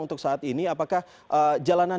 untuk saat ini apakah jalanan